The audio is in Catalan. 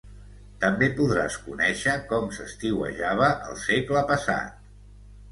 També podràs conèixer com s'estiuejava al segle passat